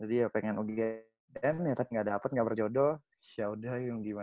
jadi ya pengen ugm ya tapi nggak dapet nggak berjodoh yaudah yang gimana